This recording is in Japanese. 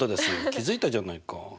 気付いたじゃないか。